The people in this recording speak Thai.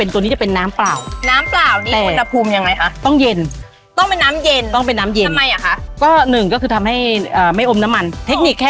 ตัวนี้จะเป็นรสดีไก่นะคะ